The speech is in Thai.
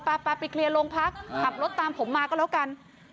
ไปเคลียร์โรงพักขับรถตามผมมาก็แล้วกัน